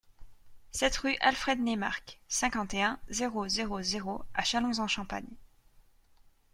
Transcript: sept rue Alfred Neymarck, cinquante et un, zéro zéro zéro à Châlons-en-Champagne